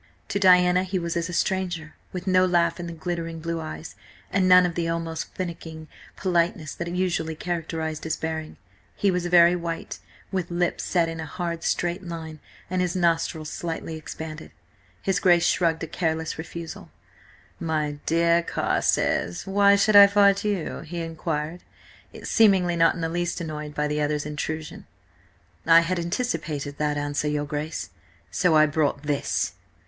To Diana he was as a stranger, with no laugh in the glittering blue eyes, and none of the almost finicking politeness that usually characterised his bearing. He was very white, with lips set in a hard straight line, and his nostrils slightly expanded. His Grace shrugged a careless refusal. "My dear Carstares, why should I fight you?" he inquired, seemingly not in the least annoyed by the other's intrusion. "I had anticipated that answer, your Grace. So I brought this!"